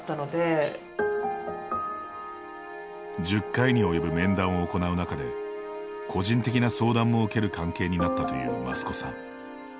１０回に及ぶ面談を行う中で個人的な相談も受ける関係になったという益子さん。